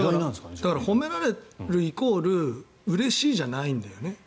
褒められるイコールうれしいじゃないんだよね。